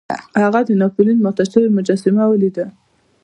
هغه د ناپلیون ماته شوې مجسمه ولیده.